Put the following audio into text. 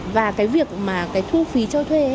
và cái việc mà cái thu phí cho thuê